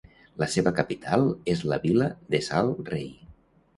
La seva capital és la vila de Sal Rei.